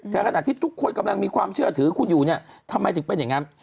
แต่ขณะที่ทุกคนกำลังมีความเชื่อถือคุณอยู่เนี่ยทำไมถึงเป็นอย่างนั้น